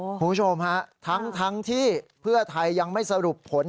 คุณผู้ชมฮะทั้งที่เพื่อไทยยังไม่สรุปผล